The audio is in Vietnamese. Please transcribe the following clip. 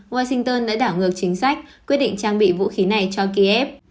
washington đã đảo ngược chính sách quyết định trang bị vũ khí này cho kiev